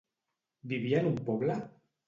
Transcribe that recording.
Vivia en un poble?